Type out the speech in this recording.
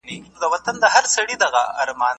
شریف ته د خپل زوی ادب ډېر خوند ورکړ.